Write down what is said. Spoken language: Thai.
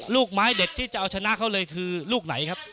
ลูกไม้เด็ดที่จะเอาชนะเขาเลยคือลูกไหนครับ